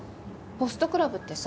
ホストクラブってさ